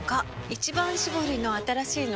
「一番搾り」の新しいの？